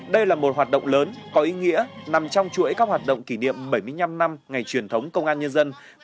đây là một hoạt động lớn có ý nghĩa nằm trong chuỗi các hoạt động kỷ niệm bảy mươi năm năm ngày truyền thống công an nhân dân